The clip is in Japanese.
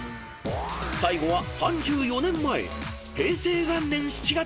［最後は３４年前］